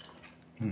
うん。